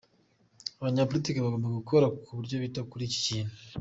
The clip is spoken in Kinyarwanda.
Abanyapolitiki bagomba gukora ku buryo bita kuri iki kintu.